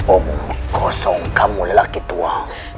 om kosong kamu lelaki tua